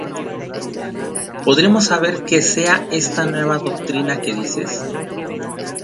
¿Podremos saber qué sea esta nueva doctrina que dices?